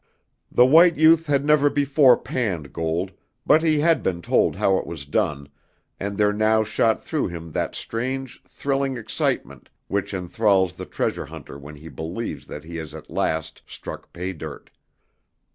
The white youth had never before panned gold, but he had been told how it was done, and there now shot through him that strange, thrilling excitement which enthralls the treasure hunter when he believes that at last he has struck pay dirt.